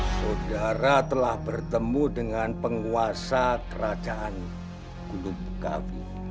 saudara telah bertemu dengan penguasa kerajaan gunung bukawi